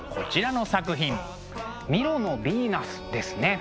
「ミロのヴィーナス」ですね。